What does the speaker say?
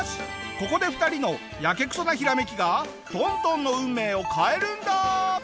ここで２人のヤケクソなひらめきが東東の運命を変えるんだ！